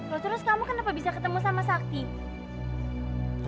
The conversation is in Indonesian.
loh terus kamu kenapa bisa ketemu sama sakti